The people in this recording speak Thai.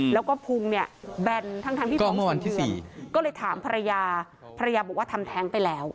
แล้วก็ภูมิเนี้ยแบนทั้งทั้งที่เมื่อวานที่สี่ก็เลยถามภรรยาภรรยาบอกว่าทำแท้งไปแล้ว